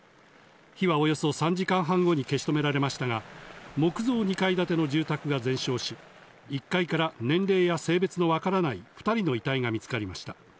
火はおよそ３時間半後に消し止められましたが、木造２階建ての住宅が全焼し、１階から年齢や性別がわからない、２人の遺体が見つかりました。